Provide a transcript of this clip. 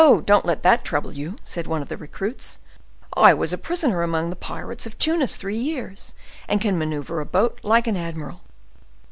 don't let that trouble you," said one of the recruits; "I was a prisoner among the pirates of Tunis three years, and can maneuver a boat like an admiral."